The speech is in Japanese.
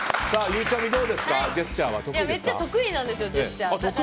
ゆうちゃみ、どうですか？